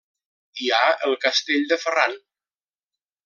Hi ha el Castell de Ferran.